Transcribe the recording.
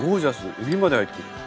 エビまで入ってる。